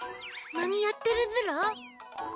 何やってるズラ？